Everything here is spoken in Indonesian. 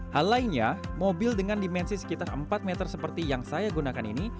hal lainnya mobil dengan dimensi sekitar empat meter seperti yang saya gunakan ini